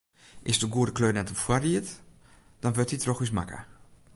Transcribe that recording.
Is de goede kleur net op foarried, dan wurdt dy troch ús makke.